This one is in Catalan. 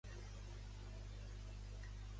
La manifestació de la Diada confluirà a Pl.